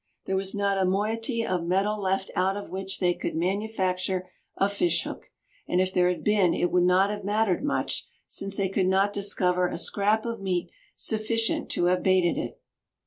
There was not a moiety of metal left out of which they could manufacture a fish hook; and if there had been it would not have mattered much, since they could not discover a scrap of meat sufficient to have baited it.